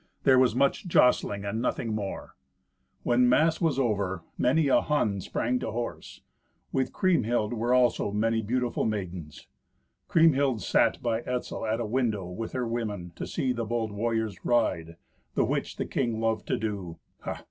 There was much jostling, and nothing more. When the mass was over, many a Hun sprang to horse. With Kriemhild were also many beautiful maidens. Kriemhild sat by Etzel at a window with her women, to see the bold warriors ride, the which the king loved to do.